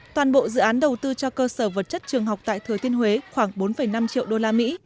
toàn bộ dự án đầu tư cho cơ sở vật chất trường học tại thừa thiên huế khoảng bốn năm triệu đô la mỹ